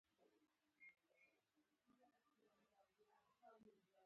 لاس زماپه ګر ېوانه راسره ناست وې